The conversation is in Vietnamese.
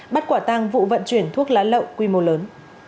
bắt quả tăng vụ vận chuyển thuốc lá lậu quy mô lớn